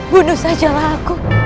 bunuh sajalah aku